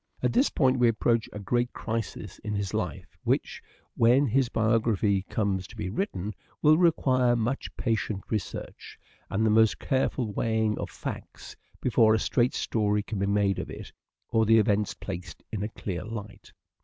At this point we approach a great crisis in his life which, when his biography comes to be written, will require much patient research, and the most careful weighing of facts, before a straight story can be made of it or the events placed in a clear light.